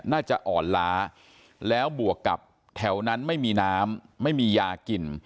น่าจะอ่อนล้าแล้วบวกกับแถวนั้นไม่มีน้ำไม่มียากิน